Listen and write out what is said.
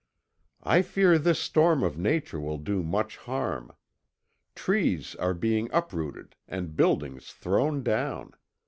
"I fear this storm of Nature will do much harm. Trees are being uprooted and buildings thrown down.